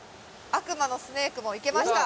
悪魔のスネイクもいけました。